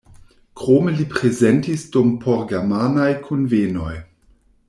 Krome li prezentis dum por-germanaj kunvenoj.